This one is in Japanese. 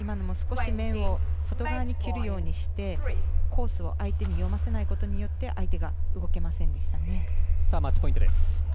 今のも少し面を切るようにしてコースを相手に読ませないことによって相手が動けませんでした。